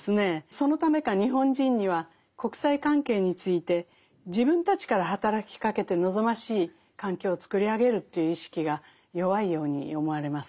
そのためか日本人には国際関係について自分たちから働きかけて望ましい環境を作り上げるという意識が弱いように思われます。